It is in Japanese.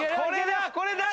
これだ！